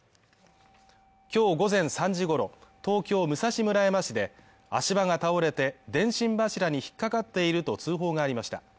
今日午前３時ごろ、東京武蔵村山市で足場が倒れて、電信柱に引っかかっていると通報がありました。